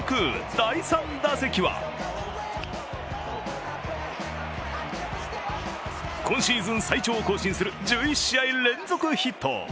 第３打席は今シーズン最長を更新する１１試合連続ヒット。